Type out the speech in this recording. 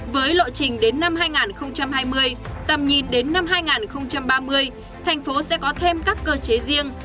với lộ trình đến năm hai nghìn hai mươi tầm nhìn đến năm hai nghìn ba mươi thành phố sẽ có thêm các cơ chế riêng